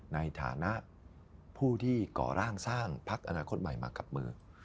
ในฐานะผู้ที่ก่อร่างสร้างพักอนาคตใหม่มากับมือ